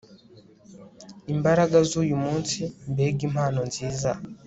imbaraga z'uyu munsi; mbega impano nziza